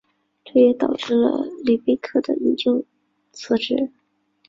这也导致了里贝克的引咎辞职。